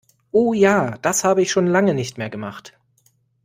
Oh ja, das habe ich schon lange nicht mehr gemacht!